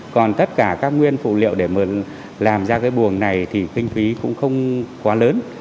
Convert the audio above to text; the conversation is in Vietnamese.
còn tất cả các nguyên phụ liệu để mà làm ra cái buồng này thì kinh phí cũng không quá lớn